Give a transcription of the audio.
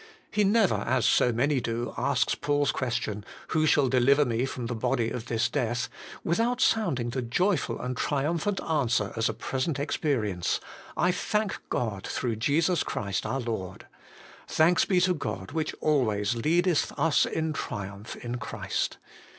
He never, as so many do, asks Paul's question, ' Who shall deliver me from the body of this death ?' without sounding the joyful and triumph ant answer as a present experience, ' I thank God, through Jesus Christ our Lord.' ' Thanks be to God, which always leadeth us in triumph in Christ.'